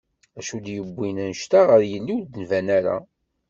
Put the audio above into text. Acu d-yiwin anect-a ɣer yelli ur d-nban ara?